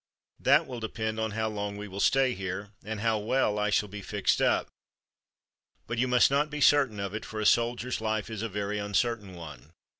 That will depend on how long we will stay here, and how well I shall be fixed up. But you must not be certain of it, for a soldier's life is a very uncertain one."